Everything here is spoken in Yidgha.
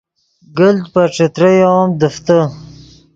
گلت پے ݯتریو ام دیفتے